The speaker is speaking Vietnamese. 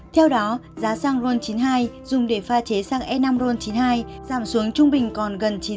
theo đó giá xăng ron chín mươi hai dùng để pha chế sang s năm ron chín mươi hai giảm xuống trung bình còn gần chín mươi hai usd một thùng